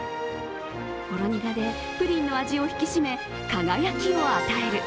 ほろ苦でプリンの味を引き締め、輝きを与える。